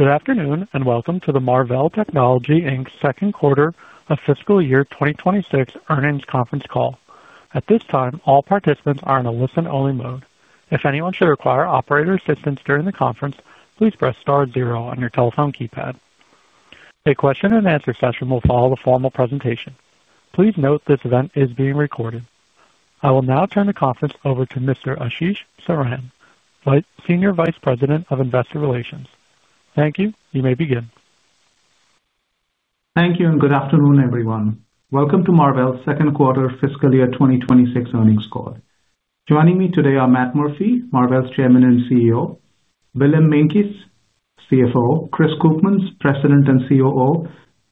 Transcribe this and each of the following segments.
Good afternoon and welcome to Marvell Technology Inc's Second Quarter of Fiscal Year 2026 Earnings Conference Call. At this time, all participants are in a listen-only mode. If anyone should require operator assistance during the conference, please press star zero on your telephone keypad. A question and answer session will follow the formal presentation. Please note this event is being recorded. I will now turn the conference over to Mr. Ashish Saran, Senior Vice President of Investor Relations. Thank you. You may begin. Thank you and good afternoon, everyone. Welcome to Marvell's Second Quarter Fiscal Year 2026 Earnings Call. Joining me today are Matt Murphy, Marvell's Chairman and CEO, Willem Meintjes, CFO, Chris Koopmans, President and COO,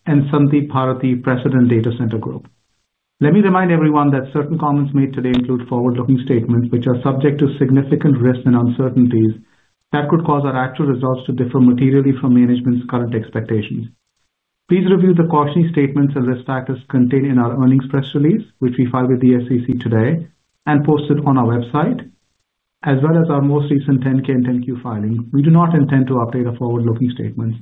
and Sandeep Bharathi, President, Data Center Group. Let me remind everyone that certain comments made today include forward-looking statements, which are subject to significant risk and uncertainties that could cause our actual results to differ materially from management's current expectations. Please review the cautionary statements and risk factors contained in our earnings press release, which we filed with the SEC today and posted on our website, as well as our most recent 10-K and 10-Q filing. We do not intend to update our forward-looking statements.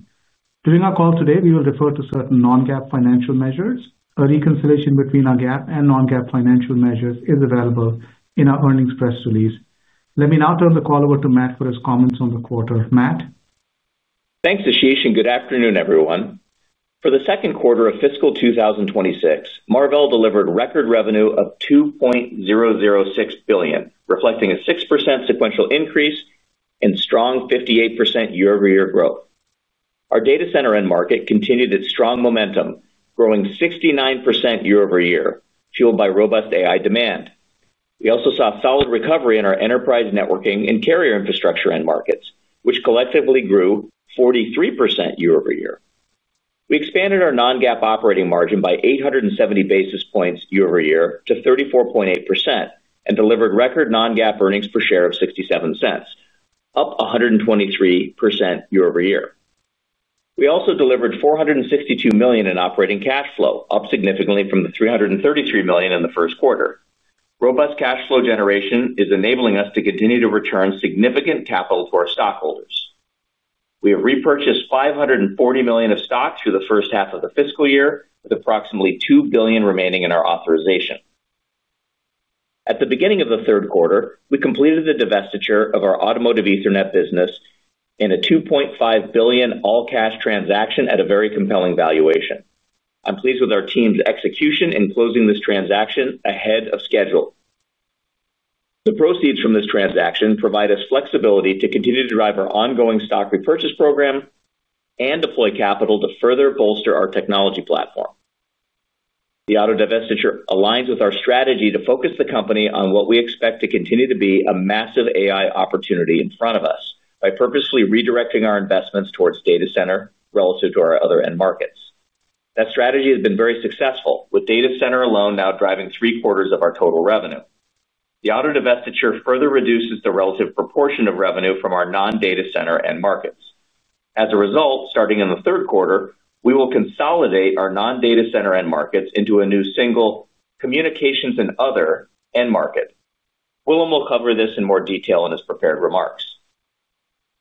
During our call today, we will refer to certain non-GAAP financial measures. A reconciliation between our GAAP and non-GAAP financial measures is available in our earnings press release. Let me now turn the call over to Matt for his comments on the quarter. Matt? Thanks, Ashish, and good afternoon, everyone. For the second quarter of fiscal 2026, Marvell delivered record revenue of $2.006 billion, reflecting a 6% sequential increase and strong 58% year-over-year growth. Our data center end market continued its strong momentum, growing 69% year-over-year, fueled by robust AI demand. We also saw a solid recovery in our enterprise networking and carrier infrastructure end markets, which collectively grew 43% year-over-year. We expanded our non-GAAP operating margin by 870 basis points year-over-year to 34.8% and delivered record non-GAAP earnings per share of $0.67, up 123% year-over-year. We also delivered $462 million in operating cash flow, up significantly from the $333 million in the first quarter. Robust cash flow generation is enabling us to continue to return significant capital to our stockholders. We have repurchased $540 million of stock through the first half of the fiscal year, with approximately $2 billion remaining in our authorization. At the beginning of the third quarter, we completed the divestiture of our Automotive Ethernet business in a $2.5 billion all-cash transaction at a very compelling valuation. I'm pleased with our team's execution in closing this transaction ahead of schedule. The proceeds from this transaction provide us flexibility to continue to drive our ongoing stock repurchase program and deploy capital to further bolster our technology platform. The auto divestiture aligns with our strategy to focus the company on what we expect to continue to be a massive AI opportunity in front of us, by purposefully redirecting our investments towards data center relative to our other end markets. That strategy has been very successful, with data center alone now driving three-quarters of our total revenue. The auto divestiture further reduces the relative proportion of revenue from our non-data center end markets. As a result, starting in the third quarter, we will consolidate our non-data center end markets into a new single communications and other end market. Willem will cover this in more detail in his prepared remarks.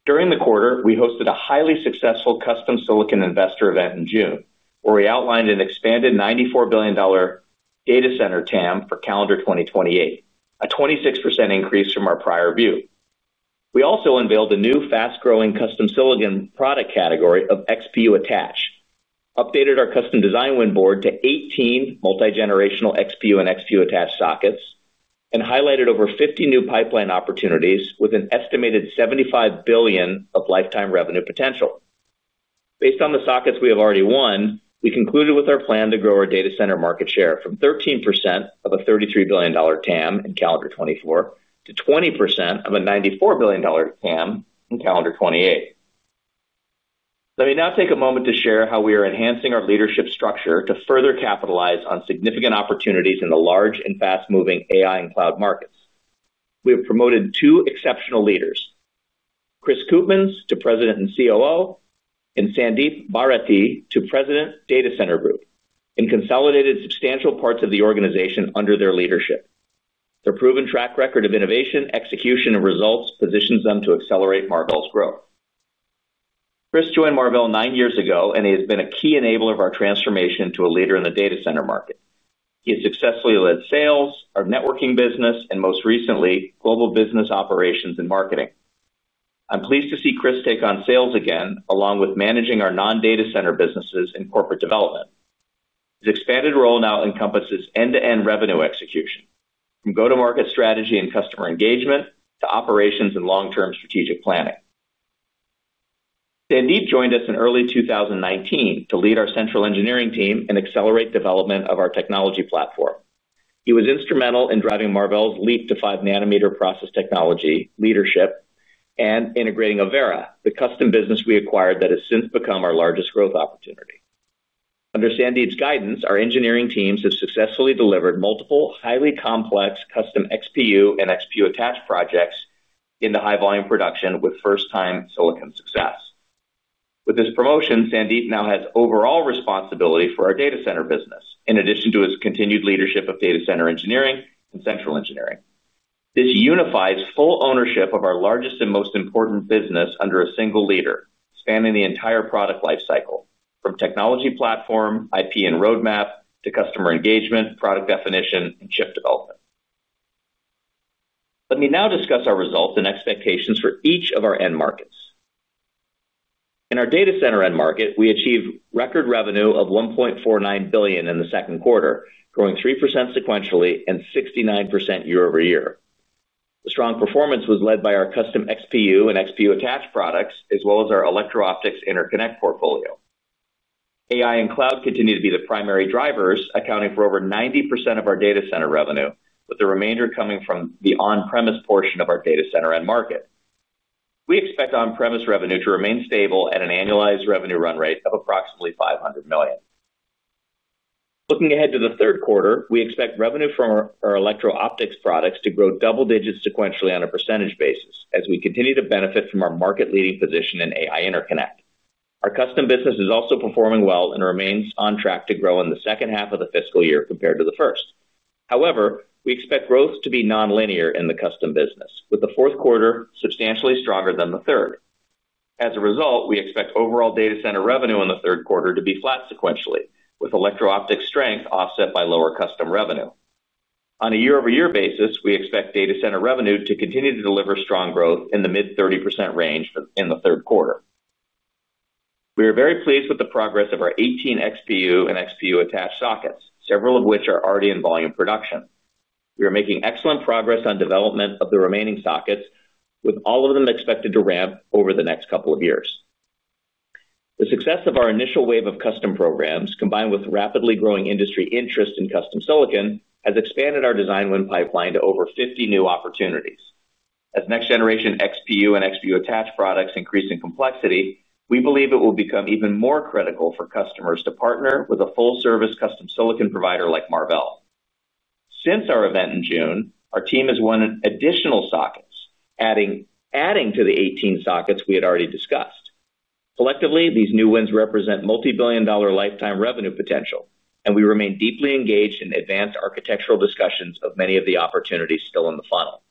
During the quarter, we hosted a highly successful custom silicon investor event in June, where we outlined an expanded $94 billion data center TAM for calendar 2028, a 26% increase from our prior view. We also unveiled a new fast-growing custom silicon product category of XPU attach, updated our custom design win board to 18 multi-generational XPU and XPU attach sockets, and highlighted over 50 new pipeline opportunities with an estimated $75 billion of lifetime revenue potential. Based on the sockets we have already won, we concluded with our plan to grow our data center market share from 13% of a $33 billion TAM in calendar 2024 to 20% of a $94 billion TAM in calendar 2028. Let me now take a moment to share how we are enhancing our leadership structure to further capitalize on significant opportunities in the large and fast-moving AI and cloud markets. We have promoted two exceptional leaders, Chris Koopmans to President and COO, and Sandeep Bharathi to President, Data Center Group, and consolidated substantial parts of the organization under their leadership. Their proven track record of innovation, execution, and results positions them to accelerate Marvell's growth. Chris joined Marvell nine years ago, and he has been a key enabler of our transformation to a leader in the data center market. He has successfully led sales, our networking business, and most recently, global business operations and marketing. I'm pleased to see Chris take on sales again, along with managing our non-data center businesses and corporate development. His expanded role now encompasses end-to-end revenue execution, from go-to-market strategy and customer engagement to operations and long-term strategic planning. Sandeep joined us in early 2019 to lead our central engineering team and accelerate development of our technology platform. He was instrumental in driving Marvell's leap to 5 nm process technology, leadership, and integrating Avera, the custom business we acquired that has since become our largest growth opportunity. Under Sandeep's guidance, our engineering teams have successfully delivered multiple highly complex custom XPU and XPU attach projects into high-volume production with first-time silicon success. With this promotion, Sandeep now has overall responsibility for our data center business, in addition to his continued leadership of data center engineering and central engineering. This unifies full ownership of our largest and most important business under a single leader, spanning the entire product lifecycle, from technology platform, IP, and roadmap to customer engagement, product definition, and chip development. Let me now discuss our results and expectations for each of our end markets. In our data center end market, we achieved record revenue of $1.49 billion in the second quarter, growing 3% sequentially and 69% year-over-year. The strong performance was led by our custom XPU and XPU attach products, as well as our electro-optics interconnect portfolio. AI and cloud continue to be the primary drivers, accounting for over 90% of our data center revenue, with the remainder coming from the on-premise portion of our data center end market. We expect on-premise revenue to remain stable at an annualized revenue run rate of approximately $500 million. Looking ahead to the third quarter, we expect revenue from our electro-optics products to grow double digits sequentially on a percentage basis, as we continue to benefit from our market-leading position in AI interconnect. Our custom business is also performing well and remains on track to grow in the second half of the fiscal year compared to the first. However, we expect growth to be non-linear in the custom business, with the fourth quarter substantially stronger than the third. As a result, we expect overall data center revenue in the third quarter to be flat sequentially, with electro-optics strength offset by lower custom revenue. On a year-over-year basis, we expect data center revenue to continue to deliver strong growth in the mid-30% range in the third quarter. We are very pleased with the progress of our 18 XPU and XPU attach sockets, several of which are already in volume production. We are making excellent progress on development of the remaining sockets, with all of them expected to ramp over the next couple of years. The success of our initial wave of custom programs, combined with rapidly growing industry interest in custom silicon, has expanded our design win pipeline to over 50 new opportunities. As next-generation XPU and XPU attach products increase in complexity, we believe it will become even more critical for customers to partner with a full-service custom silicon provider like Marvell. Since our event in June, our team has won additional sockets, adding to the 18 sockets we had already discussed. Collectively, these new wins represent multi-billion dollar lifetime revenue potential, and we remain deeply engaged in advanced architectural discussions of many of the opportunities still in the funnel.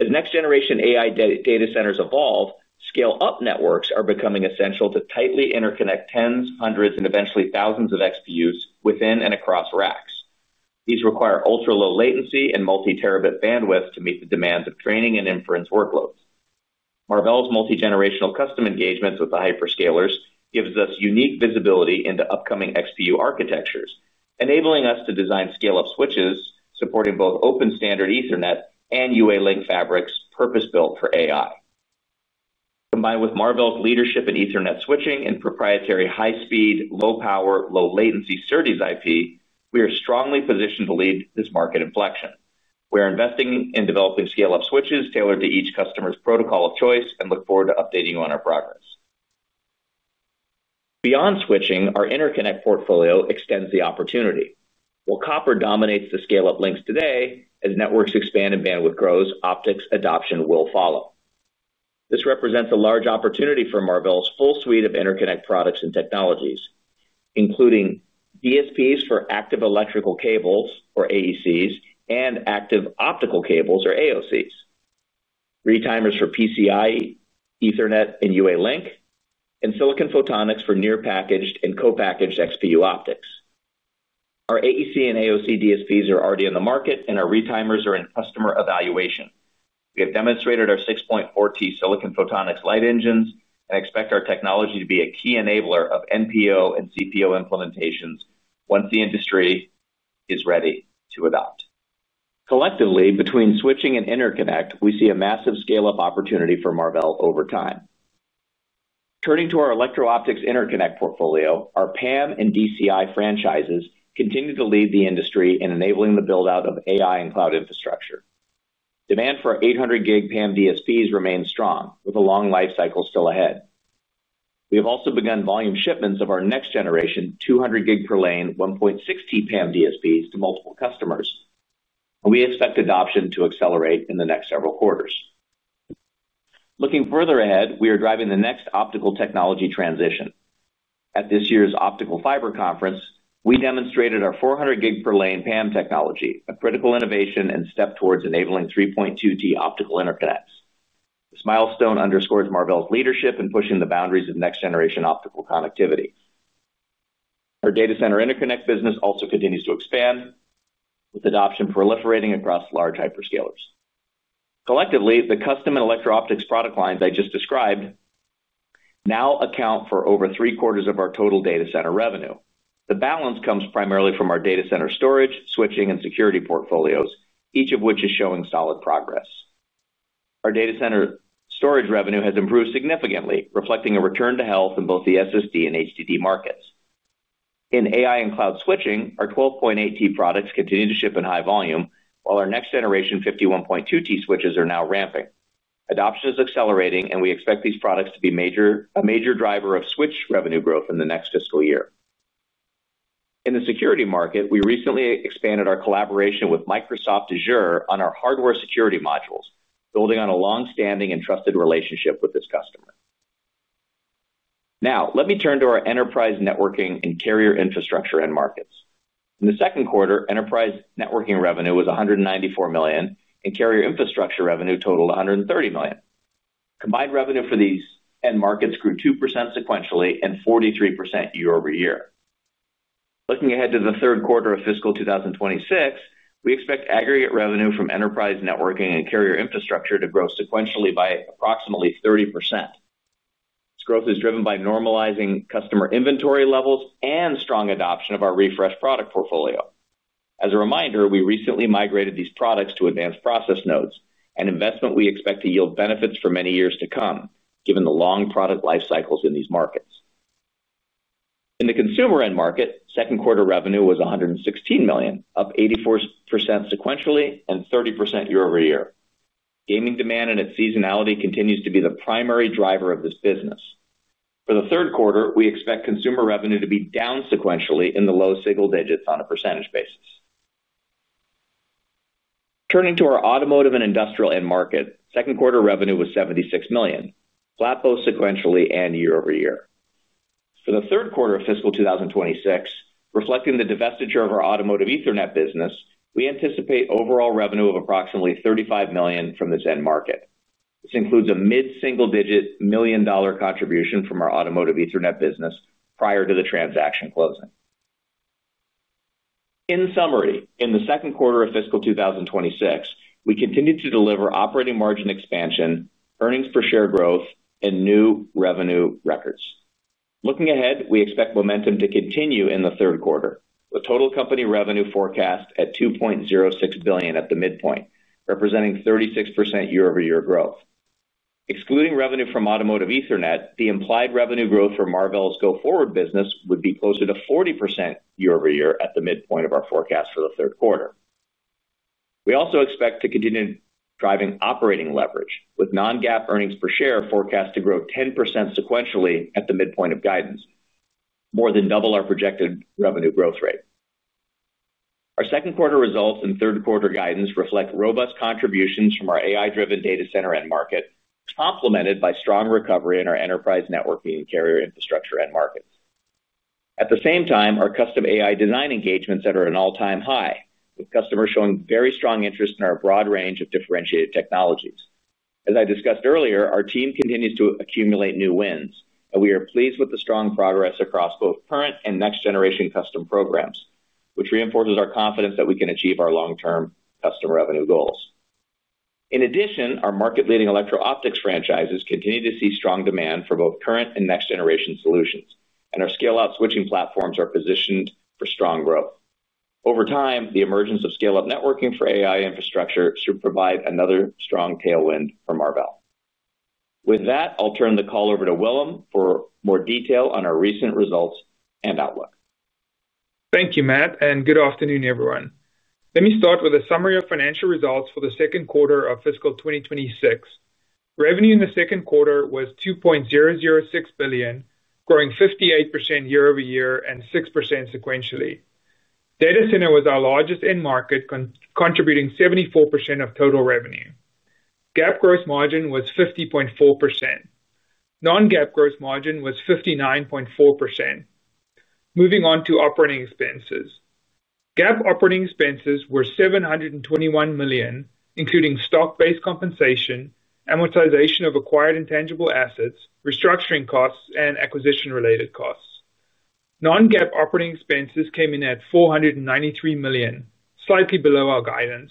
As next-generation AI data centers evolve, scale-up networks are becoming essential to tightly interconnect tens, hundreds, and eventually thousands of XPUs within and across racks. These require ultra-low latency and multi-terabit bandwidth to meet the demands of training and inference workloads. Marvell's multi-generational custom engagements with the hyperscalers give us unique visibility into upcoming XPU architectures, enabling us to design scale-up switches, supporting both open standard Ethernet and UALink fabrics purpose-built for AI. Combined with Marvell's leadership in Ethernet switching and proprietary high-speed, low-power, low-latency SerDes IP, we are strongly positioned to lead this market inflection. We are investing in developing scale-up switches tailored to each customer's protocol of choice and look forward to updating you on our progress. Beyond switching, our interconnect portfolio extends the opportunity. While copper dominates the scale-up links today, as networks expand and bandwidth grows, optics adoption will follow. This represents a large opportunity for Marvell's full suite of interconnect products and technologies, including DSPs for active electrical cables, or AECs, and active optical cables, or AOCs, retimers for PCIe, Ethernet, and UALink, and silicon photonics for near-packaged and co-packaged XPU optics. Our AEC and AOC DSPs are already in the market, and our retimers are in customer evaluation. We have demonstrated our 6.4 Tbps silicon photonics light engines and expect our technology to be a key enabler of NPO and CPO implementations once the industry is ready to adopt. Collectively, between switching and interconnect, we see a massive scale-up opportunity for Marvell over time. Turning to our electro-optics interconnect portfolio, our PAM and DCI franchises continue to lead the industry in enabling the build-out of AI and cloud infrastructure. Demand for 800 Gbps PAM DSPs remains strong, with a long lifecycle still ahead. We have also begun volume shipments of our next-generation 200 Gbps per lane 1.6 Tbps PAM DSPs to multiple customers, and we expect adoption to accelerate in the next several quarters. Looking further ahead, we are driving the next optical technology transition. At this year's Optical Fiber Conference, we demonstrated our 400 Gbps per lane PAM technology, a critical innovation and step towards enabling 3.2 Tbps optical interconnects. This milestone underscores Marvell's leadership in pushing the boundaries of next-generation optical connectivity. Our data center interconnect business also continues to expand, with adoption proliferating across large hyperscalers. Collectively, the custom and electro-optics product line that I just described now accounts for over three-quarters of our total data center revenue. The balance comes primarily from our data center storage, switching, and security portfolios, each of which is showing solid progress. Our data center storage revenue has improved significantly, reflecting a return to health in both the SSD and HDD markets. In AI and cloud switching, our 12.8 Tbps products continue to ship in high volume, while our next-generation 51.2 Tbps switches are now ramping. Adoption is accelerating, and we expect these products to be a major driver of switch revenue growth in the next fiscal year. In the security market, we recently expanded our collaboration with Microsoft Azure on our hardware security modules, building on a longstanding and trusted relationship with this customer. Now, let me turn to our enterprise networking and carrier infrastructure end markets. In the second quarter, enterprise networking revenue was $194 million, and carrier infrastructure revenue totaled $130 million. Combined revenue for these end markets grew 2% sequentially and 43% year-over-year. Looking ahead to the third quarter of fiscal 2026, we expect aggregate revenue from enterprise networking and carrier infrastructure to grow sequentially by approximately 30%. This growth is driven by normalizing customer inventory levels and strong adoption of our refreshed product portfolio. As a reminder, we recently migrated these products to advanced process nodes, an investment we expect to yield benefits for many years to come, given the long product life cycles in these markets. In the consumer end market, second quarter revenue was $116 million, up 84% sequentially and 30% year-over-year. Gaming demand and its seasonality continue to be the primary driver of this business. For the third quarter, we expect consumer revenue to be down sequentially in the low single digits on a percentage basis. Turning to our automotive and industrial end market, second quarter revenue was $76 million, flat both sequentially and year-over-year. For the third quarter of fiscal 2026, reflecting the divestiture of our Automotive Ethernet business, we anticipate overall revenue of approximately $35 million from this end market. This includes a mid-single-digit million-dollar contribution from our Automotive Ethernet business prior to the transaction closing. In summary, in the second quarter of fiscal 2026, we continue to deliver operating margin expansion, earnings per share growth, and new revenue records. Looking ahead, we expect momentum to continue in the third quarter, with total company revenue forecast at $2.06 billion at the midpoint, representing 36% year-over-year growth. Excluding revenue from Automotive Ethernet, the implied revenue growth for Marvell's go-forward business would be closer to 40% year-over-year at the midpoint of our forecast for the third quarter. We also expect to continue driving operating leverage, with non-GAAP earnings per share forecast to grow 10% sequentially at the midpoint of guidance, more than double our projected revenue growth rate. Our second quarter results and third quarter guidance reflect robust contributions from our AI-driven data center end market, complemented by strong recovery in our enterprise networking and carrier infrastructure end markets. At the same time, our custom AI design engagements are at an all-time high, with customers showing very strong interest in our broad range of differentiated technologies. As I discussed earlier, our team continues to accumulate new wins, and we are pleased with the strong progress across both current and next-generation custom programs, which reinforces our confidence that we can achieve our long-term custom revenue goals. In addition, our market-leading electro-optics franchises continue to see strong demand for both current and next-generation solutions, and our scale-out switching platforms are positioned for strong growth. Over time, the emergence of scale-up networking for AI infrastructure should provide another strong tailwind for Marvell. With that, I'll turn the call over to Willem for more detail on our recent results and outlook. Thank you, Matt, and good afternoon, everyone. Let me start with a summary of financial results for the second quarter of fiscal 2026. Revenue in the second quarter was $2.006 billion, growing 58% year-over-year and 6% sequentially. Data center was our largest end market, contributing 74% of total revenue. GAAP gross margin was 50.4%. Non-GAAP gross margin was 59.4%. Moving on to operating expenses. GAAP operating expenses were $721 million, including stock-based compensation, amortization of acquired intangible assets, restructuring costs, and acquisition-related costs. Non-GAAP operating expenses came in at $493 million, slightly below our guidance.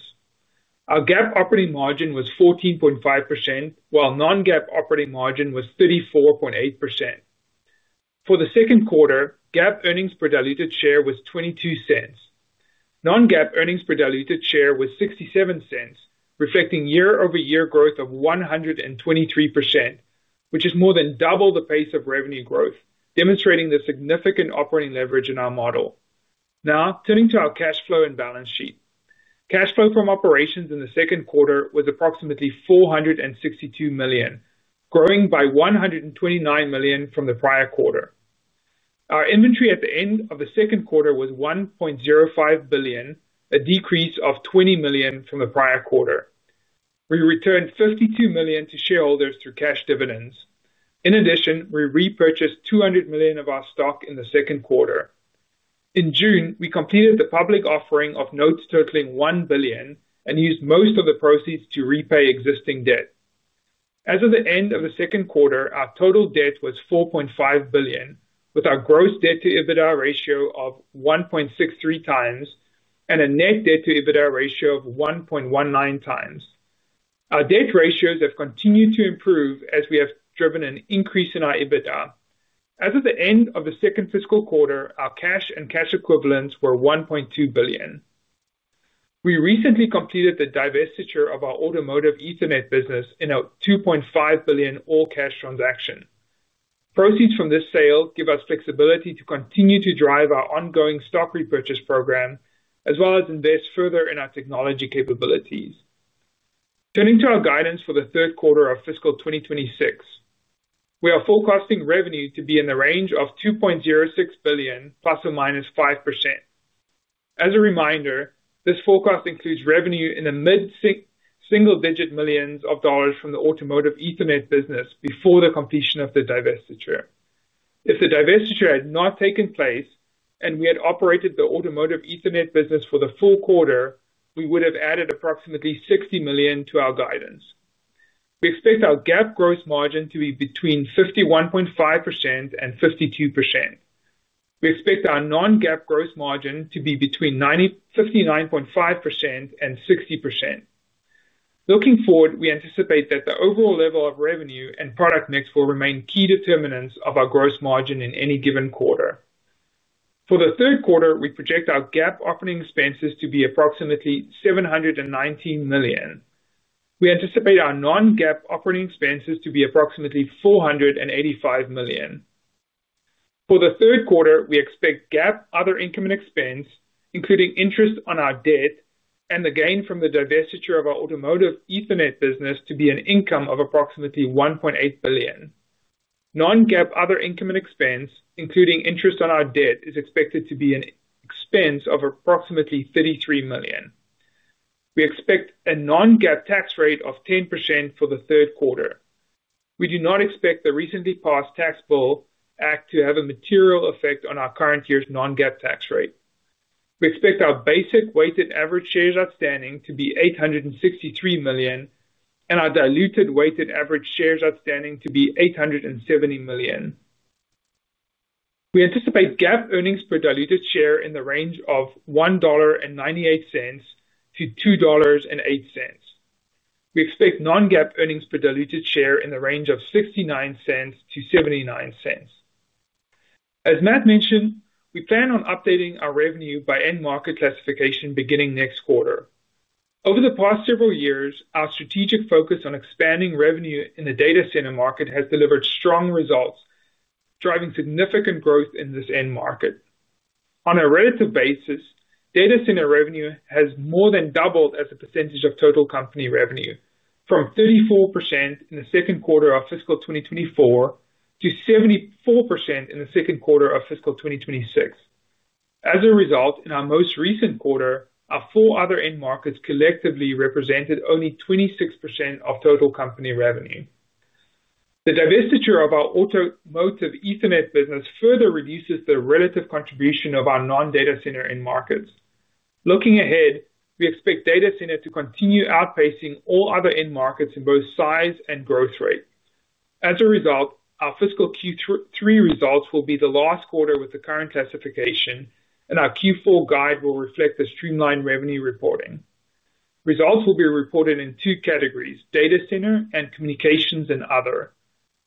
Our GAAP operating margin was 14.5%, while non-GAAP operating margin was 34.8%. For the second quarter, GAAP earnings per diluted share was $0.22. Non-GAAP earnings per diluted share was $0.67, reflecting year-over-year growth of 123%, which is more than double the pace of revenue growth, demonstrating the significant operating leverage in our model. Now, turning to our cash flow and balance sheet. Cash flow from operations in the second quarter was approximately $462 million, growing by $129 million from the prior quarter. Our inventory at the end of the second quarter was $1.05 billion, a decrease of $20 million from the prior quarter. We returned $52 million to shareholders through cash dividends. In addition, we repurchased $200 million of our stock in the second quarter. In June, we completed the public offering of notes totaling $1 billion and used most of the proceeds to repay existing debt. As of the end of the second quarter, our total debt was $4.5 billion, with our gross debt-to-EBITDA ratio of 1.63x and a net debt-to-EBITDA ratio of 1.19x. Our debt ratios have continued to improve as we have driven an increase in our EBITDA. As of the end of the second fiscal quarter, our cash and cash equivalents were $1.2 billion. We recently completed the divestiture of our Automotive Ethernet business in a $2.5 billion all-cash transaction. Proceeds from this sale give us flexibility to continue to drive our ongoing stock repurchase program, as well as invest further in our technology capabilities. Turning to our guidance for the third quarter of fiscal 2026, we are forecasting revenue to be in the range of $2.06 billion, ±5%. As a reminder, this forecast includes revenue in the mid-single-digit millions of dollars from the Automotive Ethernet business before the completion of the divestiture. If the divestiture had not taken place and we had operated the Automotive Ethernet business for the full quarter, we would have added approximately $60 million to our guidance. We expect our GAAP gross margin to be between 51.5% and 52%. We expect our non-GAAP gross margin to be between 59.5% and 60%. Looking forward, we anticipate that the overall level of revenue and product mix will remain key determinants of our gross margin in any given quarter. For the third quarter, we project our GAAP operating expenses to be approximately $719 million. We anticipate our non-GAAP operating expenses to be approximately $485 million. For the third quarter, we expect GAAP other income and expense, including interest on our debt and the gain from the divestiture of our Automotive Ethernet business, to be an income of approximately $1.8 billion. Non-GAAP other income and expense, including interest on our debt, is expected to be an expense of approximately $33 million. We expect a non-GAAP tax rate of 10% for the third quarter. We do not expect the recently passed tax bill act to have a material effect on our current year's non-GAAP tax rate. We expect our basic weighted average shares outstanding to be 863 million and our diluted weighted average shares outstanding to be 870 million. We anticipate GAAP earnings per diluted share in the range of $1.98-$2.08. We expect non-GAAP earnings per diluted share in the range of $0.69-$0.79. As Matt mentioned, we plan on updating our revenue by end market classification beginning next quarter. Over the past several years, our strategic focus on expanding revenue in the data center market has delivered strong results, driving significant growth in this end market. On a relative basis, data center revenue has more than doubled as a percentage of total company revenue, from 34% in the second quarter of fiscal 2024 to 74% in the second quarter of fiscal 2026. As a result, in our most recent quarter, our four other end markets collectively represented only 26% of total company revenue. The divestiture of our Automotive Ethernet business further reduces the relative contribution of our non-data center end markets. Looking ahead, we expect data center to continue outpacing all other end markets in both size and growth rate. As a result, our fiscal Q3 results will be the last quarter with the current classification, and our Q4 guide will reflect the streamlined revenue reporting. Results will be reported in two categories: data center and communications and other.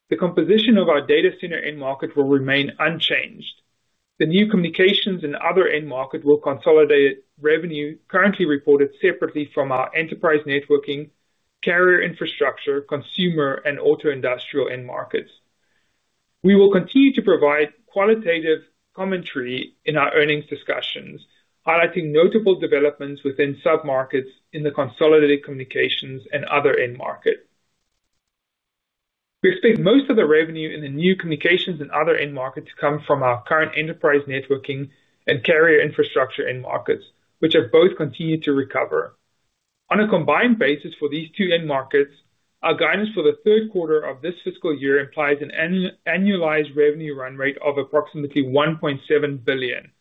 The composition of our data center end market will remain unchanged. The new communications and other end market will consolidate revenue currently reported separately from our enterprise networking, carrier infrastructure, consumer, and auto industrial end markets. We will continue to provide qualitative commentary in our earnings discussions, highlighting notable developments within sub-markets in the consolidated communications and other end market. We expect most of the revenue in the new communications and other end markets to come from our current enterprise networking and carrier infrastructure end markets, which have both continued to recover. On a combined basis for these two end markets, our guidance for the third quarter of this fiscal year implies an annualized revenue run rate of approximately $1.7 billion,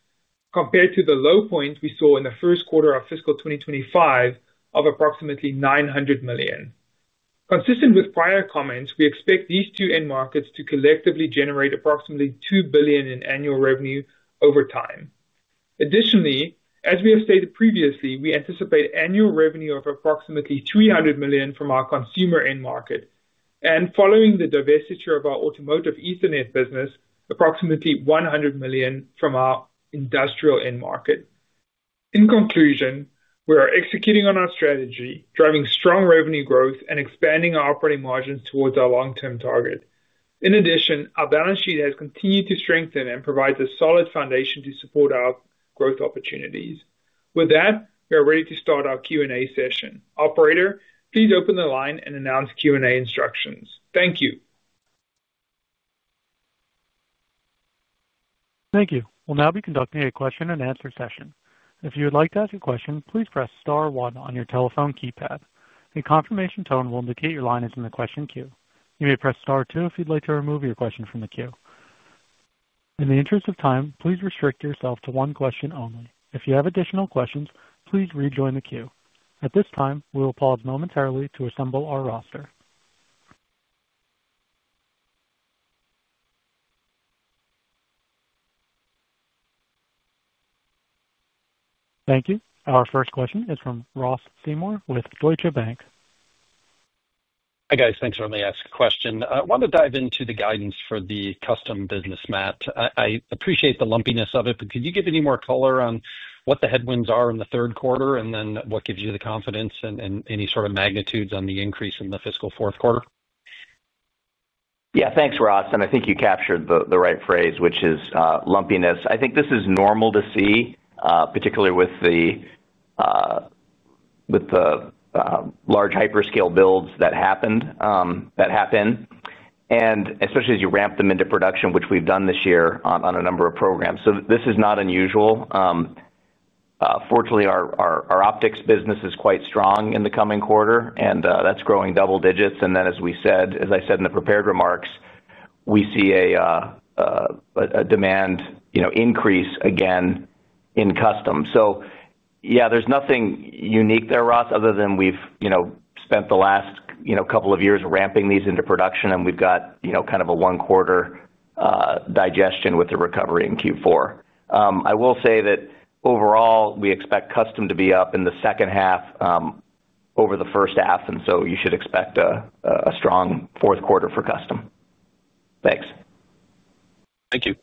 compared to the low point we saw in the first quarter of fiscal 2025 of approximately $900 million. Consistent with prior comments, we expect these two end markets to collectively generate approximately $2 billion in annual revenue over time. Additionally, as we have stated previously, we anticipate annual revenue of approximately $300 million from our consumer end market and, following the divestiture of our Automotive Ethernet business, approximately $100 million from our industrial end market. In conclusion, we are executing on our strategy, driving strong revenue growth, and expanding our operating margins towards our long-term target. In addition, our balance sheet has continued to strengthen and provides a solid foundation to support our growth opportunities. With that, we are ready to start our Q&A session. Operator, please open the line and announce Q&A instructions. Thank you. Thank you. We'll now be conducting a question and answer session. If you would like to ask a question, please press star one on your telephone keypad. A confirmation tone will indicate your line is in the question queue. You may press star two if you'd like to remove your question from the queue. In the interest of time, please restrict yourself to one question only. If you have additional questions, please rejoin the queue. At this time, we will pause momentarily to assemble our roster. Thank you. Our first question is from Ross Seymore with Deutsche Bank. Hi guys, thanks for letting me ask a question. I want to dive into the guidance for the custom business, Matt. I appreciate the lumpiness of it, but could you give any more color on what the headwinds are in the third quarter, and then what gives you the confidence and any sort of magnitudes on the increase in the fiscal fourth quarter? Yeah, thanks, Ross, and I think you captured the right phrase, which is lumpiness. I think this is normal to see, particularly with the large hyperscale builds that happen, especially as you ramp them into production, which we've done this year on a number of programs. This is not unusual. Fortunately, our optics business is quite strong in the coming quarter, and that's growing double digits. As I said in the prepared remarks, we see a demand increase again in custom. There's nothing unique there, Ross, other than we've spent the last couple of years ramping these into production, and we've got kind of a one-quarter digestion with the recovery in Q4. I will say that overall, we expect custom to be up in the second half over the first half, and you should expect a strong fourth quarter for custom. Thanks. Thank you.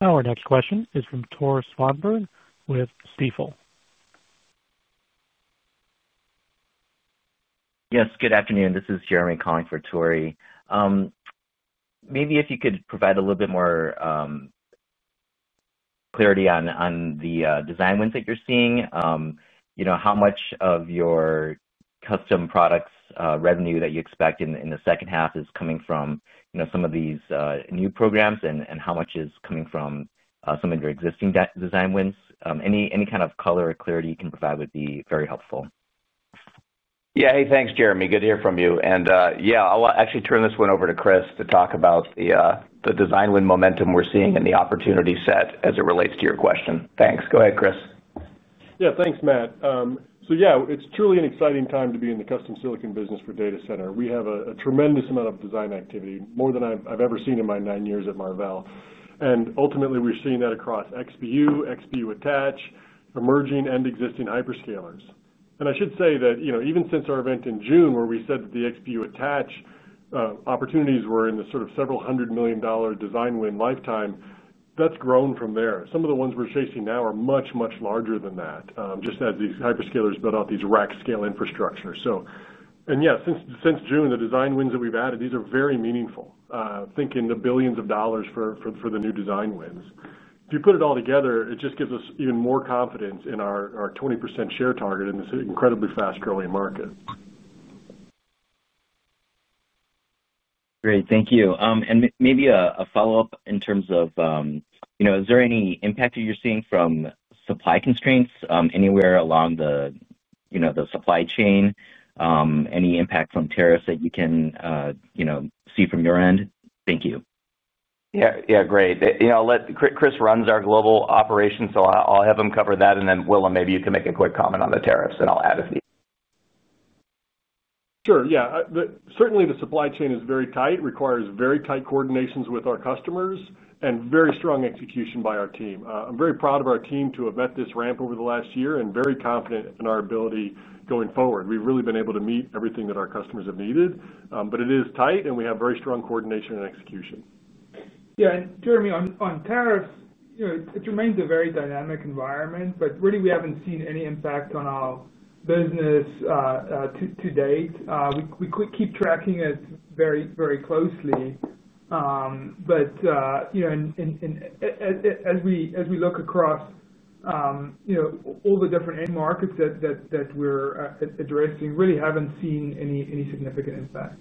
Our next question is from Tore Svanberg with Stifel. Yes, good afternoon. This is Jeremy calling for Tore. Maybe if you could provide a little bit more clarity on the design wins that you're seeing. You know, how much of your custom products revenue that you expect in the second half is coming from some of these new programs, and how much is coming from some of your existing design wins? Any kind of color or clarity you can provide would be very helpful. Yeah, hey, thanks, Jeremy. Good to hear from you. I'll actually turn this one over to Chris to talk about the design win momentum we're seeing and the opportunity set as it relates to your question. Thanks. Go ahead, Chris. Yeah, thanks, Matt. It's truly an exciting time to be in the custom silicon business for data center. We have a tremendous amount of design activity, more than I've ever seen in my nine years at Marvell. Ultimately, we're seeing that across XPU, XPU attach, emerging and existing hyperscalers. I should say that, even since our event in June, where we said that the XPU attach opportunities were in the sort of several hundred million dollar design win lifetime, that's grown from there. Some of the ones we're chasing now are much, much larger than that, just as these hyperscalers build out these rack scale infrastructures. Since June, the design wins that we've added, these are very meaningful. Think in the billions of dollars for the new design wins. If you put it all together, it just gives us even more confidence in our 20% share target in this incredibly fast-growing market. Great, thank you. Maybe a follow-up in terms of, you know, is there any impact you're seeing from supply constraints anywhere along the supply chain? Any impact from tariffs that you can see from your end? Thank you. Yeah, great. You know, Chris runs our global operations, so I'll have him cover that. Willem, maybe you can make a quick comment on the tariffs, and I'll add if needed. Sure, yeah. Certainly, the supply chain is very tight, requires very tight coordination with our customers, and very strong execution by our team. I'm very proud of our team to have met this ramp over the last year and very confident in our ability going forward. We've really been able to meet everything that our customers have needed. It is tight, and we have very strong coordination and execution. Yeah, and Jeremy, on tariffs, it remains a very dynamic environment, but really, we haven't seen any impact on our business to date. We keep tracking it very, very closely. As we look across all the different end markets that we're addressing, we really haven't seen any significant impact.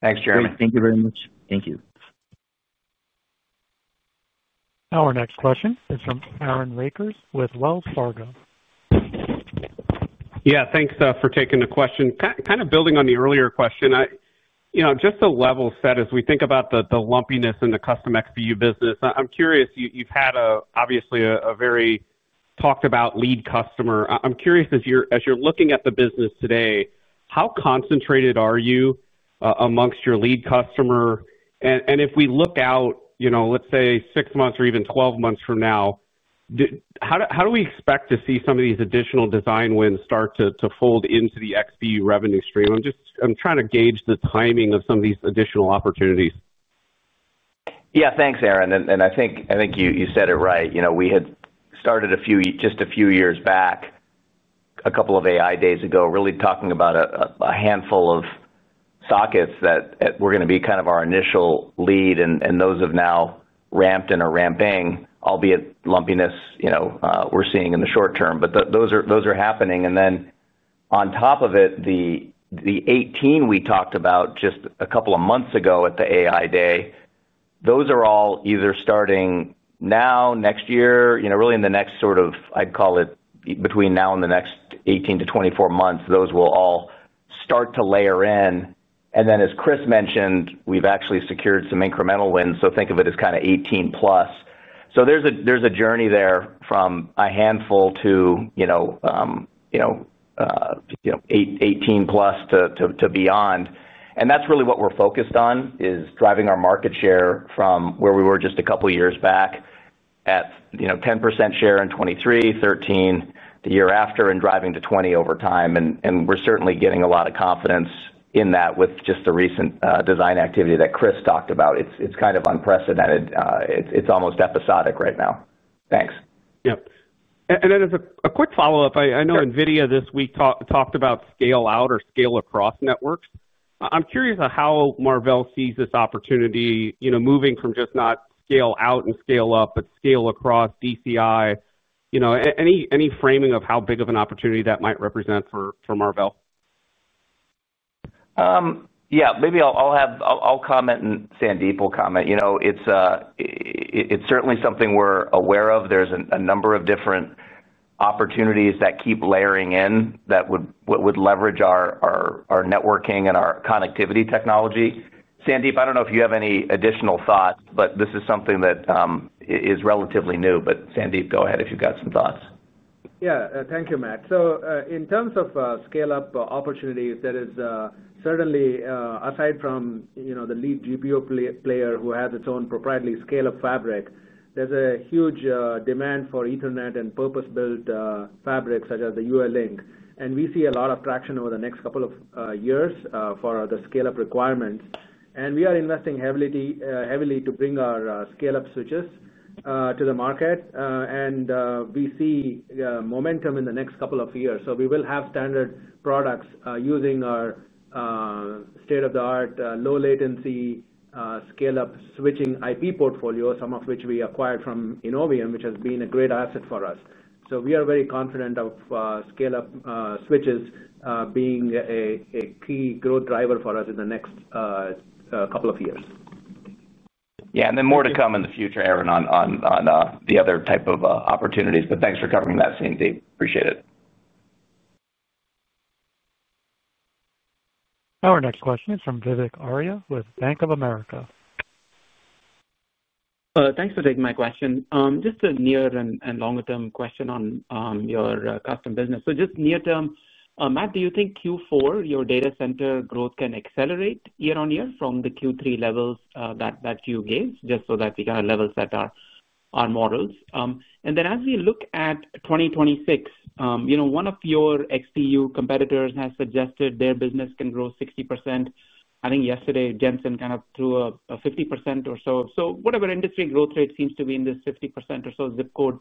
Thanks, Jeremy. Thank you very much. Thank you. Our next question is from Aaron Rakers with Wells Fargo. Yeah, thanks for taking the question. Kind of building on the earlier question, just to level set, as we think about the lumpiness in the custom XPU business, I'm curious, you've had obviously a very talked-about lead customer. I'm curious, as you're looking at the business today, how concentrated are you amongst your lead customer? If we look out, let's say six months or even 12 months from now, how do we expect to see some of these additional design wins start to fold into the XPU revenue stream? I'm just trying to gauge the timing of some of these additional opportunities. Yeah, thanks, Aaron. I think you said it right. We had started a few, just a few years back, a couple of AI Days ago, really talking about a handful of sockets that were going to be kind of our initial lead, and those have now ramped and are ramping, albeit lumpiness, we're seeing in the short term. Those are happening. On top of it, the 18 we talked about just a couple of months ago at the AI Day, those are all either starting now, next year, really in the next sort of, I'd call it between now and the next 18-24 months, those will all start to layer in. As Chris Koopmans mentioned, we've actually secured some incremental wins. Think of it as kind of 18+. There's a journey there from a handful to 18+ to beyond. That's really what we're focused on, driving our market share from where we were just a couple of years back at 10% share in 2023, 13% the year after, and driving to 20% over time. We're certainly getting a lot of confidence in that with just the recent design activity that Chris talked about. It's kind of unprecedented. It's almost episodic right now. Thanks. Yep. As a quick follow-up, I know NVIDIA this week talked about scale out or scale across networks. I'm curious how Marvell sees this opportunity, moving from just not scale out and scale up, but scale across DCI. Any framing of how big of an opportunity that might represent for Marvell? Yeah, maybe I'll comment and Sandeep will comment. It's certainly something we're aware of. There's a number of different opportunities that keep layering in that would leverage our networking and our connectivity technology. Sandeep, I don't know if you have any additional thoughts. This is something that is relatively new. Sandeep, go ahead if you've got some thoughts. Yeah, thank you, Matt. In terms of scale-up opportunities, there is certainly, aside from, you know, the lead GPU player who has its own proprietary scale-up fabric, a huge demand for Ethernet and purpose-built fabrics such as the UALink. We see a lot of traction over the next couple of years for the scale-up requirements. We are investing heavily to bring our scale-up switches to the market, and we see momentum in the next couple of years. We will have standard products using our state-of-the-art low latency scale-up switching IP portfolio, some of which we acquired from Innovium, which has been a great asset for us. We are very confident of scale-up switches being a key growth driver for us in the next couple of years. Yeah, more to come in the future, Aaron, on the other type of opportunities. Thanks for covering that, Sandeep. Appreciate it. Our next question is from Vivek Arya with Bank of America. Thanks for taking my question. Just a near and longer-term question on your custom business. Just near term, Matt, do you think Q4 your data center growth can accelerate year on year from the Q3 levels that you gave, just so that we kind of level set our models? As we look at 2026, you know, one of your XPU competitors has suggested their business can grow 60%. I think yesterday Jensen kind of threw a 50% or so. Whatever industry growth rate seems to be in this 50% or so zip code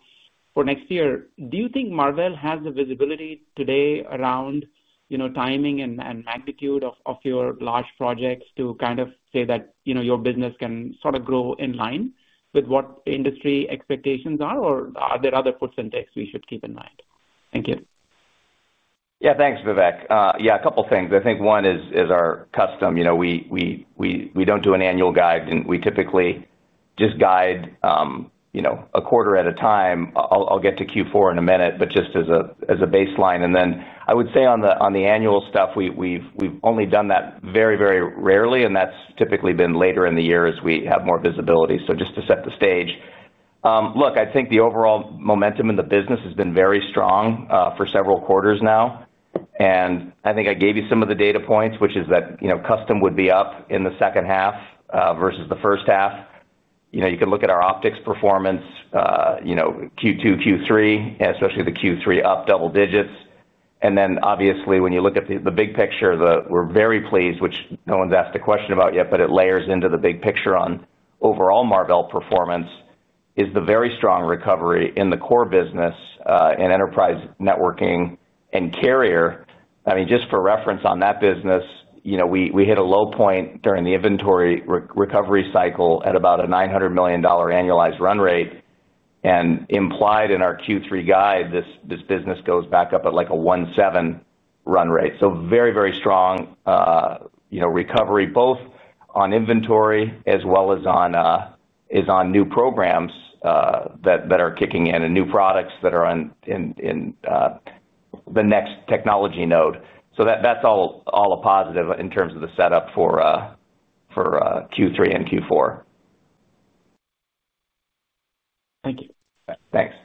for next year, do you think Marvell has the visibility today around, you know, timing and magnitude of your large projects to kind of say that, you know, your business can sort of grow in line with what industry expectations are, or are there other puts and takes we should keep in mind? Thank you. Yeah, thanks, Vivek. Yeah, a couple of things. I think one is our custom. You know, we don't do an annual guide. We typically just guide, you know, a quarter at a time. I'll get to Q4 in a minute, but just as a baseline. I would say on the annual stuff, we've only done that very, very rarely, and that's typically been later in the year as we have more visibility. Just to set the stage, I think the overall momentum in the business has been very strong for several quarters now. I think I gave you some of the data points, which is that, you know, custom would be up in the second half versus the first half. You can look at our optics performance, you know, Q2, Q3, especially the Q3 up double digits. Obviously, when you look at the big picture, we're very pleased, which no one's asked a question about yet, but it layers into the big picture on overall Marvell performance, is the very strong recovery in the core business and enterprise networking and carrier. Just for reference on that business, you know, we hit a low point during the inventory recovery cycle at about a $900 million annualized run rate. Implied in our Q3 guide, this business goes back up at like a $1.7 billion run rate. Very, very strong recovery both on inventory as well as on new programs that are kicking in and new products that are in the next technology node. That's all a positive in terms of the setup for Q3 and Q4. Thank you. Thanks.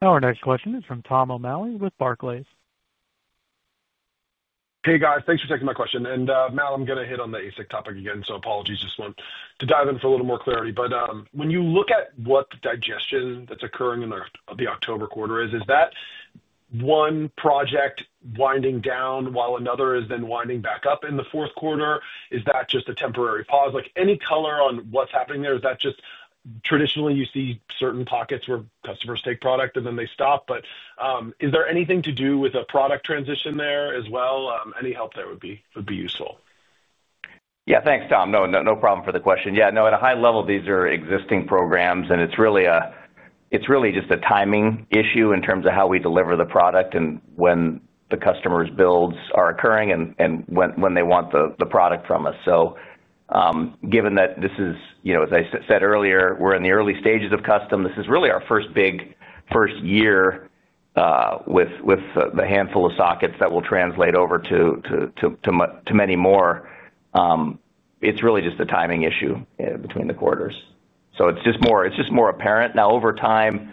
Our next question is from Tom O'Malley with Barclays. Hey guys, thanks for taking my question. Matt, I'm going to hit on the ASIC topic again, so apologies, just want to dive in for a little more clarity. When you look at what the digestion that's occurring in the October quarter is, is that one project winding down while another is then winding back up in the fourth quarter? Is that just a temporary pause? Any color on what's happening there? Is that just traditionally you see certain pockets where customers take product and then they stop? Is there anything to do with a product transition there as well? Any help there would be useful. Yeah, thanks Tom. No problem for the question. Yeah, no, at a high level, these are existing programs and it's really just a timing issue in terms of how we deliver the product and when the customers' builds are occurring and when they want the product from us. Given that this is, you know, as I said earlier, we're in the early stages of custom, this is really our first big, first year with the handful of sockets that will translate over to many more. It's really just a timing issue between the quarters. It's just more apparent. Now over time,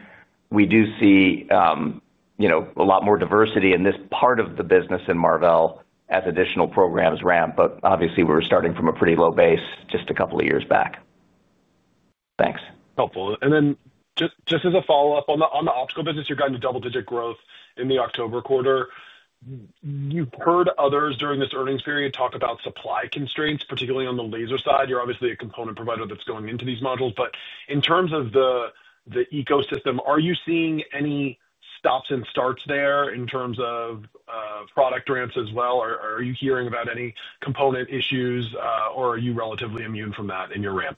we do see, you know, a lot more diversity in this part of the business in Marvell as additional programs ramp, but obviously we were starting from a pretty low base just a couple of years back. Thanks. Helpful. Just as a follow-up on the optical business, you're going to double-digit growth in the October quarter. You've heard others during this earnings period talk about supply constraints, particularly on the laser side. You're obviously a component provider that's going into these modules, but in terms of the ecosystem, are you seeing any stops and starts there in terms of product ramps as well? Are you hearing about any component issues or are you relatively immune from that in your ramp?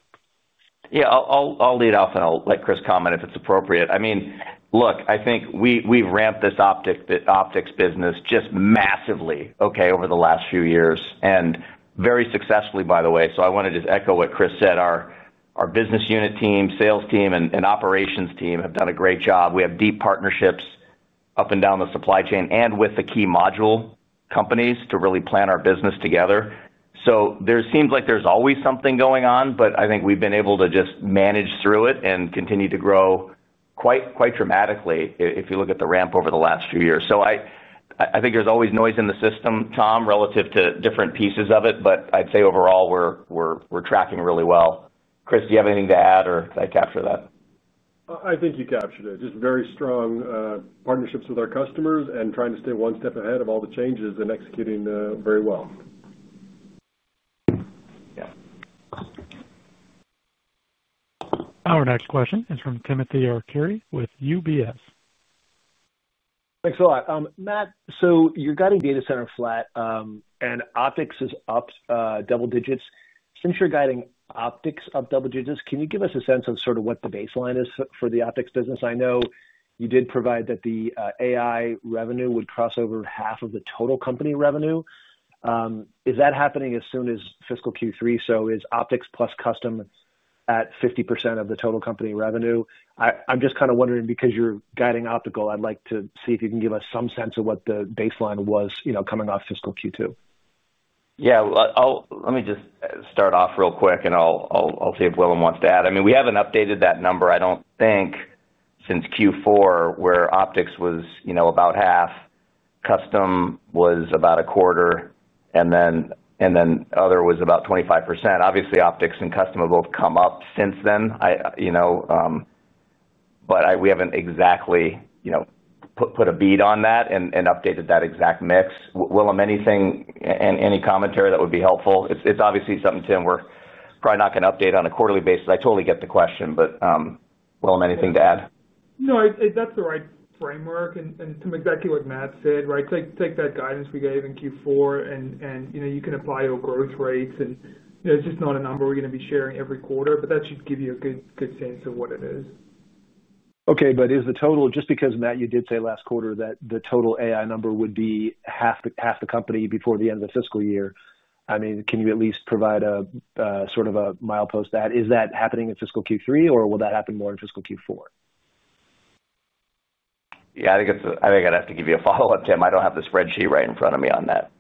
Yeah, I'll lead off and I'll let Chris comment if it's appropriate. I mean, look, I think we've ramped this optics business just massively over the last few years and very successfully, by the way. I want to just echo what Chris said. Our business unit team, sales team, and operations team have done a great job. We have deep partnerships up and down the supply chain and with the key module companies to really plan our business together. There seems like there's always something going on, but I think we've been able to just manage through it and continue to grow quite dramatically if you look at the ramp over the last few years. I think there's always noise in the system, Tom, relative to different pieces of it, but I'd say overall we're tracking really well. Chris, do you have anything to add or did I capture that? I think you captured it. Just very strong partnerships with our customers and trying to stay one step ahead of all the changes and executing very well. Our next question is from Timothy Arcuri with UBS. Thanks a lot. Matt, you're guiding data center flat and optics is up double digits. Since you're guiding optics up double digits, can you give us a sense of what the baseline is for the optics business? I know you did provide that the AI revenue would cross over half of the total company revenue. Is that happening as soon as fiscal Q3? Is optics plus custom at 50% of the total company revenue? I'm just kind of wondering because you're guiding optical, I'd like to see if you can give us some sense of what the baseline was coming off fiscal Q2. Yeah, let me just start off real quick and I'll see if Willem wants to add. I mean, we haven't updated that number, I don't think, since Q4 where optics was about half, custom was about a quarter, and then other was about 25%. Obviously, optics and custom have both come up since then, but we haven't exactly put a bead on that and updated that exact mix. Willem, anything, and any commentary that would be helpful? It's obviously something, Tim, we're probably not going to update on a quarterly basis. I totally get the question, but Willem, anything to add? No, that's the right framework and exactly what Matt said, right? Take that guidance we gave in Q4 and, you know, you can apply your growth rates and, you know, it's just not a number we're going to be sharing every quarter. That should give you a good sense of what it is. Okay, is the total, just because Matt, you did say last quarter that the total AI number would be half the company before the end of the fiscal year. I mean, can you at least provide a sort of a milepost that is that happening in fiscal Q3 or will that happen more in fiscal Q4? I think I'd have to give you a follow-up, Tim. I don't have the spreadsheet right in front of me on that.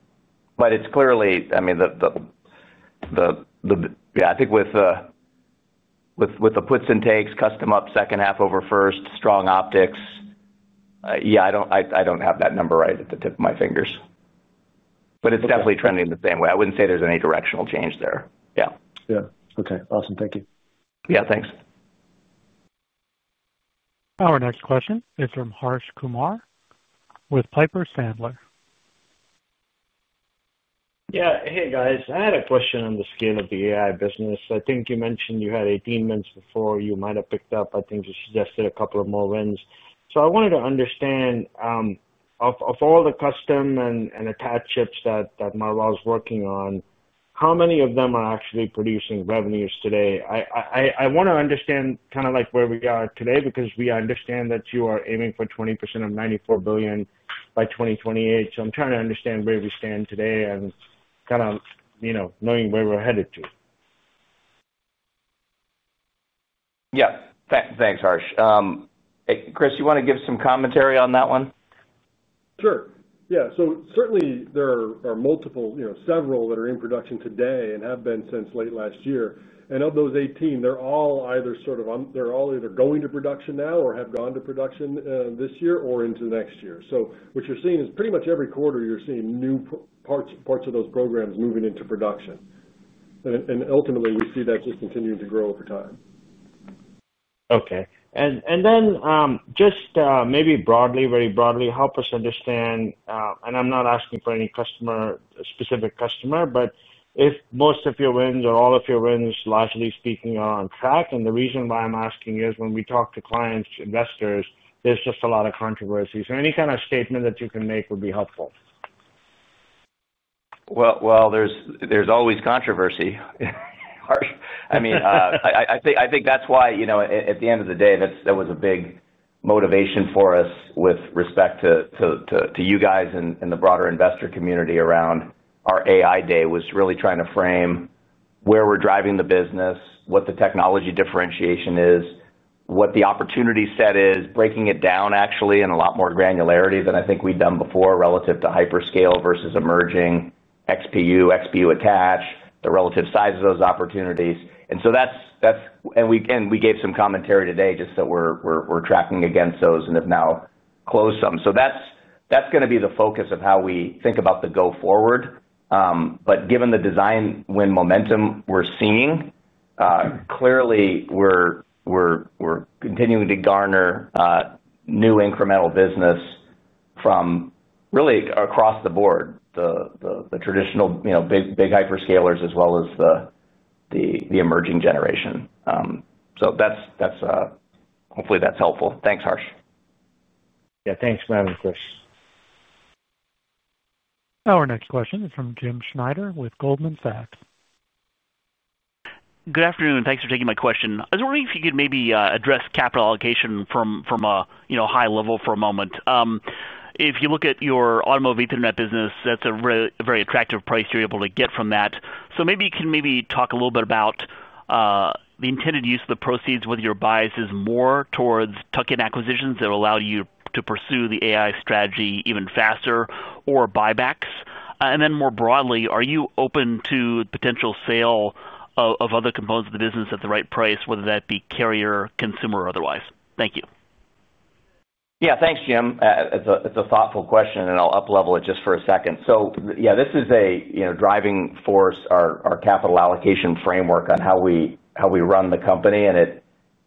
It's clearly, I mean, with the puts and takes, custom up second half over first, strong optics, I don't have that number right at the tip of my fingers. It's definitely trending the same way. I wouldn't say there's any directional change there. Yeah, okay. Awesome. Thank you. Yeah, thanks. Our next question is from Harsh Kumar with Piper Sandler. Yeah, hey guys, I had a question on the scale of the AI business. I think you mentioned you had 18 wins before you might have picked up. I think you suggested a couple of more wins. I wanted to understand, of all the custom and attached chips that Marvell is working on, how many of them are actually producing revenues today? I want to understand kind of like where we are today because we understand that you are aiming for 20% of $94 billion by 2028. I'm trying to understand where we stand today and kind of, you know, knowing where we're headed to. Yeah, thanks, Harsh. Chris, you want to give some commentary on that one? Sure. Yeah, certainly there are multiple, you know, several that are in production today and have been since late last year. Of those 18, they're all either sort of, they're all either going to production now or have gone to production this year or into next year. What you're seeing is pretty much every quarter you're seeing new parts of those programs moving into production. Ultimately, we see that just continuing to grow over time. Okay, maybe broadly, very broadly, help us understand, and I'm not asking for any customer-specific customer, if most of your wins or all of your wins, largely speaking, are on track. The reason why I'm asking is when we talk to clients, investors, there's just a lot of controversy. Any kind of statement that you can make would be helpful. There is always controversy. I mean, I think that's why, at the end of the day, that was a big motivation for us with respect to you guys and the broader investor community around our AI Day, really trying to frame where we're driving the business, what the technology differentiation is, what the opportunity set is, breaking it down actually in a lot more granularity than I think we've done before relative to hyperscale versus emerging XPU, XPU attach, the relative size of those opportunities. We gave some commentary today just that we're tracking against those and have now closed some. That is going to be the focus of how we think about the go-forward. Given the design win momentum we're seeing, clearly we're continuing to garner new incremental business from really across the board, the traditional big hyperscalers as well as the emerging generation. Hopefully that's helpful. Thanks, Harsh. Yeah, thanks man of course. Our next question is from Jim Schneider with Goldman Sachs. Good afternoon, thanks for taking my question. I was wondering if you could maybe address capital allocation from a high level for a moment. If you look at your Automotive Ethernet business, that's a very attractive price you're able to get from that. Maybe you can talk a little bit about the intended use of the proceeds, whether your bias is more towards tuck-in acquisitions that allow you to pursue the AI strategy even faster or buybacks. More broadly, are you open to the potential sale of other components of the business at the right price, whether that be carrier, consumer, or otherwise? Thank you. Yeah, thanks, Jim. It's a thoughtful question and I'll up-level it just for a second. This is a driving force, our capital allocation framework on how we run the company and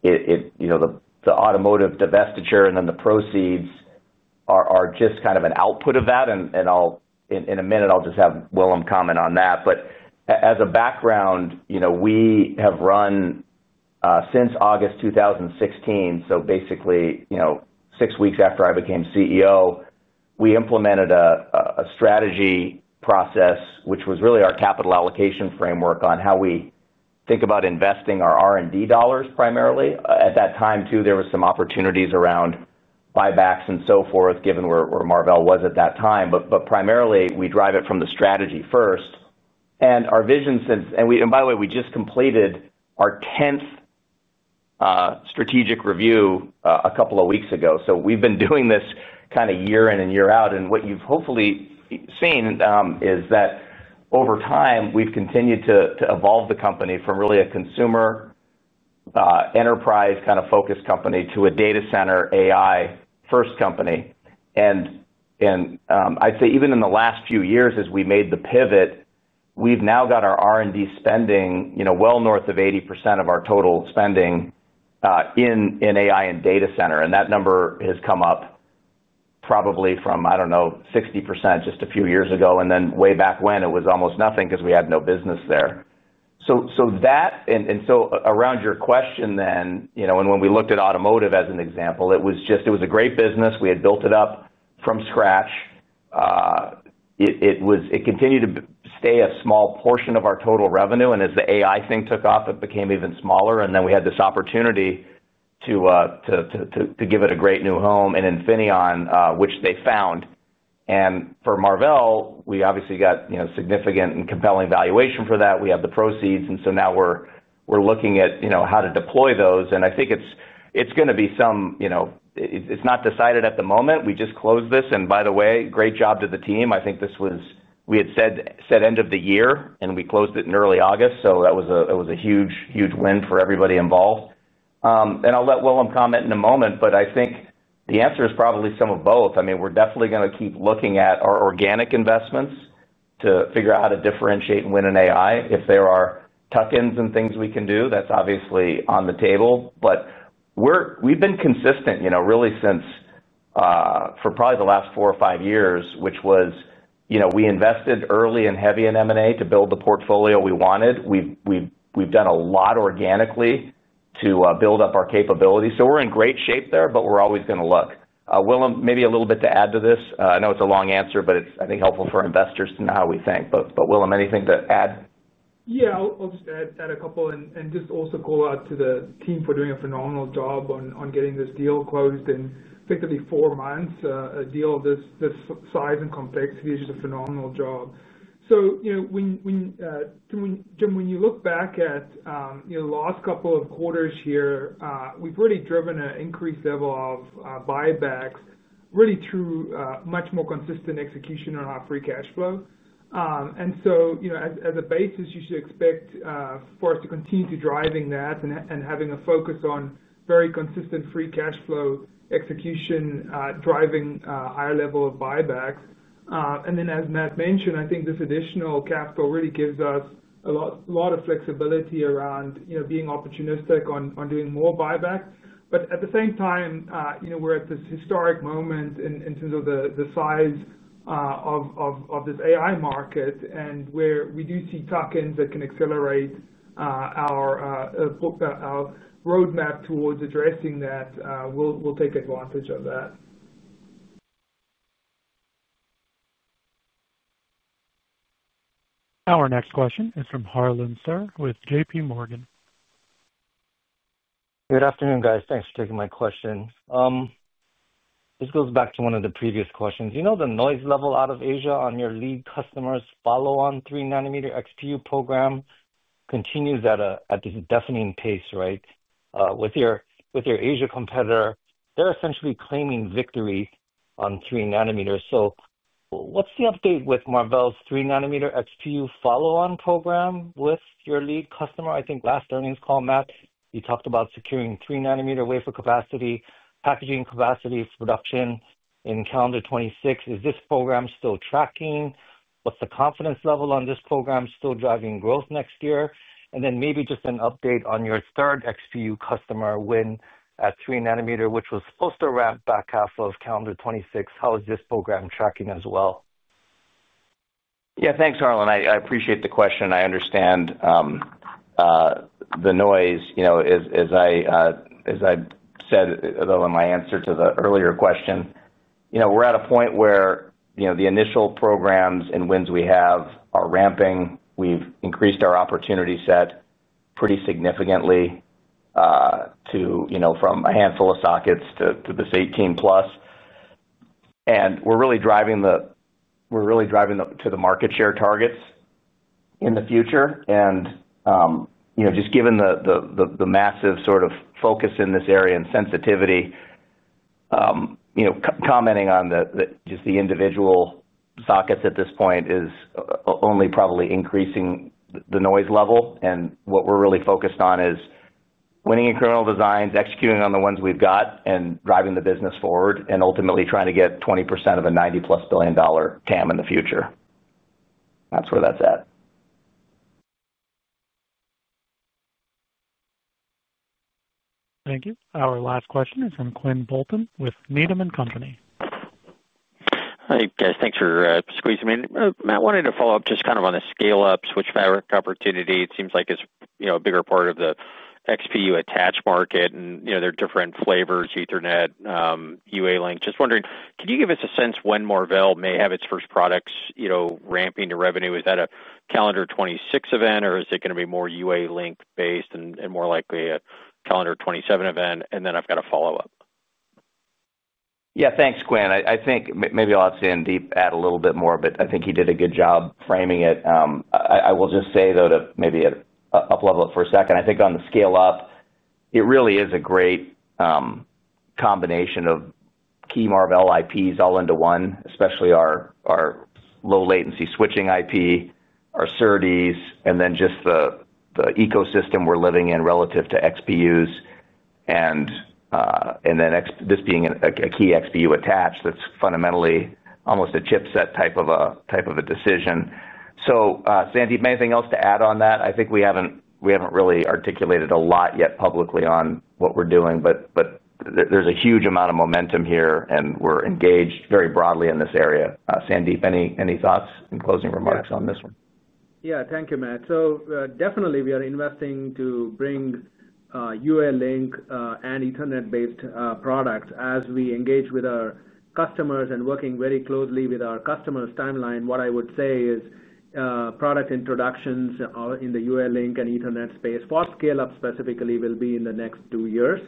it, you know, the automotive divestiture and then the proceeds are just kind of an output of that. In a minute, I'll just have Willem comment on that. As a background, you know, we have run since August 2016, so basically, you know, six weeks after I became CEO, we implemented a strategy process, which was really our capital allocation framework on how we think about investing our R&D dollars primarily. At that time, too, there were some opportunities around buybacks and so forth, given where Marvell was at that time. Primarily, we drive it from the strategy first. Our vision since, and by the way, we just completed our 10th strategic review a couple of weeks ago. We've been doing this kind of year in and year out. What you've hopefully seen is that over time, we've continued to evolve the company from really a consumer enterprise kind of focused company to a data center AI-first company. I'd say even in the last few years, as we made the pivot, we've now got our R&D spending, you know, well north of 80% of our total spending in AI and data center. That number has come up probably from, I don't know, 60% just a few years ago. Way back when, it was almost nothing because we had no business there. Around your question then, you know, when we looked at automotive as an example, it was just, it was a great business. We had built it up from scratch. It continued to stay a small portion of our total revenue. As the AI thing took off, it became even smaller. We had this opportunity to give it a great new home in Infineon, which they found. For Marvell, we obviously got significant and compelling valuation for that. We have the proceeds. Now we're looking at, you know, how to deploy those. I think it's going to be some, you know, it's not decided at the moment. We just closed this. By the way, great job to the team. I think this was, we had said end of the year and we closed it in early August. That was a huge, huge win for everybody involved. I'll let Willem comment in a moment, but I think the answer is probably some of both. We're definitely going to keep looking at our organic investments to figure out how to differentiate and win in AI. If there are tuck-ins and things we can do, that's obviously on the table. We've been consistent, really since, for probably the last four or five years, which was, you know, we invested early and heavy in M&A to build the portfolio we wanted. We've done a lot organically to build up our capability. We're in great shape there, but we're always going to look. Willem, maybe a little bit to add to this. I know it's a long answer, but I think it's helpful for investors to know how we think. Willem, anything to add? I'll just add a couple and also call out to the team for doing a phenomenal job on getting this deal closed in effectively four months. A deal of this size and complexity is just a phenomenal job. When you look back at the last couple of quarters here, we've really driven an increased level of buybacks, really through much more consistent execution in our free cash flow. As a basis, you should expect for us to continue to drive that and having a focus on very consistent free cash flow execution, driving a higher level of buybacks. As Matt mentioned, I think this additional cash flow really gives us a lot of flexibility around being opportunistic on doing more buybacks. At the same time, we're at this historic moment in terms of the size of the AI market and where we do see tuck-ins that can accelerate our roadmap towards addressing that. We'll take advantage of that. Our next question is from Harlan Sur with JPMorgan. Good afternoon, guys. Thanks for taking my question. This goes back to one of the previous questions. The noise level out of Asia on your lead customers' follow-on 3 nm XPU program continues at a deafening pace, right? With your Asia competitor, they're essentially claiming victory on 3 nm. What's the update with Marvell's 3 nm XPU follow-on program with your lead customer? I think last earnings call, Matt, you talked about securing 3 nm wafer capacity, packaging capacity for production in calendar 2026. Is this program still tracking? What's the confidence level on this program still driving growth next year? Maybe just an update on your third XPU customer win at 3 nm, which was supposed to ramp back half of calendar 2026. How is this program tracking as well? Yeah, thanks, Harlan. I appreciate the question. I understand the noise. As I said in my answer to the earlier question, we're at a point where the initial programs and wins we have are ramping. We've increased our opportunity set pretty significantly to, you know, from a handful of sockets to this 18+. We're really driving to the market share targets in the future. Given the massive sort of focus in this area and sensitivity, commenting on just the individual sockets at this point is only probably increasing the noise level. What we're really focused on is winning incremental designs, executing on the ones we've got, and driving the business forward, ultimately trying to get 20% of a $90+ billion TAM in the future. That's where that's at. Thank you. Our last question is from Quinn Bolton with Needham & Company. Hey guys, thanks for squeezing me in. Matt, I wanted to follow up just kind of on the scale-up switch fabric opportunity. It seems like it's, you know, a bigger part of the XPU attach market and, you know, there are different flavors, Ethernet, UALink. Just wondering, can you give us a sense when Marvell may have its first products, you know, ramping to revenue? Is that a calendar 2026 event or is it going to be more UALink-based and more likely a calendar 2027 event? I've got to follow up. Yeah, thanks, Quinn. I think maybe I'll have Sandeep add a little bit more, but I think he did a good job framing it. I will just say, to maybe up-level it for a second, I think on the scale-up, it really is a great combination of key Marvell IPs all into one, especially our low latency switching IP, our SerDes, and just the ecosystem we're living in relative to XPUs. This being a key XPU attach, that's fundamentally almost a chipset type of a decision. Sandeep, anything else to add on that? I think we haven't really articulated a lot yet publicly on what we're doing, but there's a huge amount of momentum here and we're engaged very broadly in this area. Sandeep, any thoughts and closing remarks on this one? Thank you, Matt. We are definitely investing to bring UALink and Ethernet-based products as we engage with our customers and working very closely with our customers' timeline. What I would say is product introductions in the UALink and Ethernet space for scale-up specifically will be in the next two years.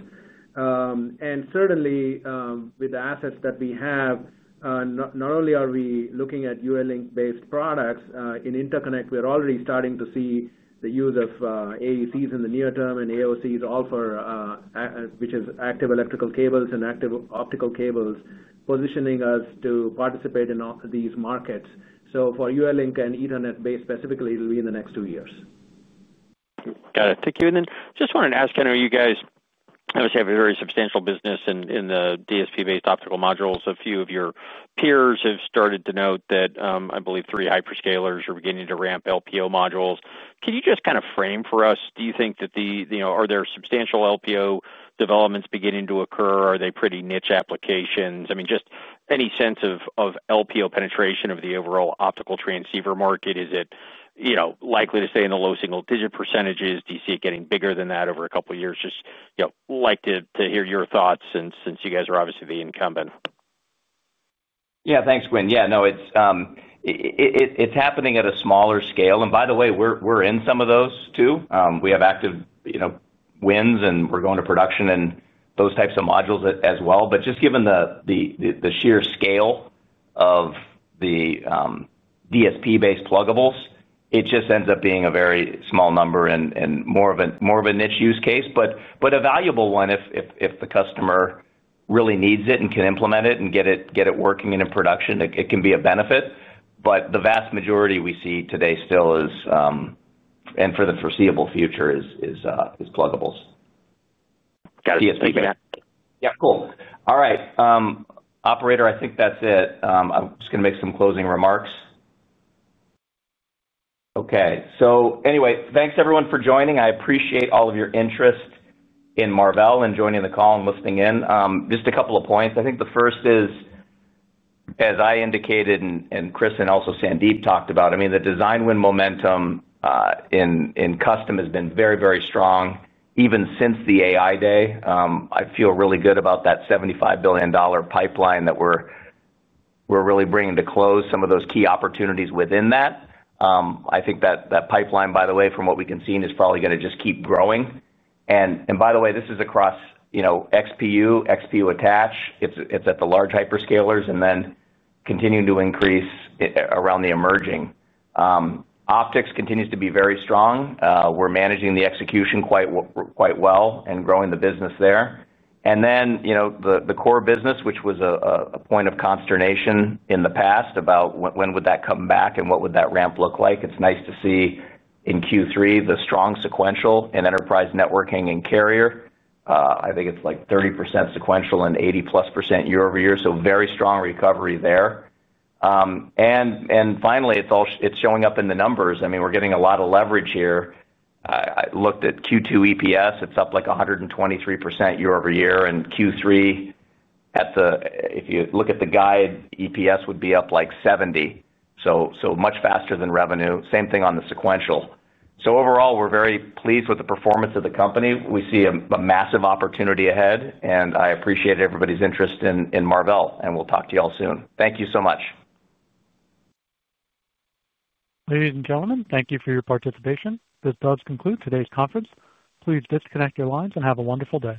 Certainly with the assets that we have, not only are we looking at UALink-based products in interconnect, we're already starting to see the use of AECs in the near term and AOCs, which is active electrical cables and active optical cables, positioning us to participate in these markets. For UALink and Ethernet-based specifically, it'll be in the next two years. Got it. Thank you. I just wanted to ask, you know, you guys obviously have a very substantial business in the DSP-based optical modules. A few of your peers have started to note that I believe three hyperscalers are beginning to ramp LPO modules. Can you just kind of frame for us, do you think that the, you know, are there substantial LPO developments beginning to occur? Are they pretty niche applications? I mean, just any sense of LPO penetration of the overall optical transceiver market? Is it, you know, likely to stay in the low single-digit percentage? Do you see it getting bigger than that over a couple of years? Just, you know, like to hear your thoughts since you guys are obviously the incumbent. Yeah, thanks, Quinn. It's happening at a smaller scale. By the way, we're in some of those too. We have active, you know, wins and we're going to production in those types of modules as well. Just given the sheer scale of the DSP-based plugables, it just ends up being a very small number and more of a niche use case, but a valuable one if the customer really needs it and can implement it and get it working in production, it can be a benefit. The vast majority we see today still is, and for the foreseeable future, is plugables. Got it. Thanks, Matt. Yep, cool. All right, operator, I think that's it. I'm just going to make some closing remarks. Okay, so anyway, thanks everyone for joining. I appreciate all of your interest in Marvell and joining the call and listening in. Just a couple of points. I think the first is, as I indicated and Chris and also Sandeep talked about, the design win momentum in custom has been very, very strong even since the AI Day. I feel really good about that $75 billion pipeline that we're really bringing to close some of those key opportunities within that. I think that pipeline, by the way, from what we can see, is probably going to just keep growing. By the way, this is across XPU, XPU attach. It's at the large hyperscalers and then continuing to increase around the emerging. Optics continues to be very strong. We're managing the execution quite well and growing the business there. The core business, which was a point of consternation in the past about when would that come back and what would that ramp look like, it's nice to see in Q3 the strong sequential in enterprise networking and carrier. I think it's like 30% sequential and 80%+ year-over-year. Very strong recovery there. Finally, it's showing up in the numbers. We're getting a lot of leverage here. I looked at Q2 EPS, it's up like 123% year-over-year. In Q3, if you look at the guide, EPS would be up like 70%. Much faster than revenue. Same thing on the sequential. Overall, we're very pleased with the performance of the company. We see a massive opportunity ahead. I appreciate everybody's interest in Marvell. We'll talk to you all soon. Thank you so much. Ladies and gentlemen, thank you for your participation. This does conclude today's conference. Please disconnect your lines and have a wonderful day.